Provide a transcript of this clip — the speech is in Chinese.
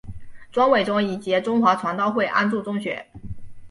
庄伟忠以及中华传道会安柱中学。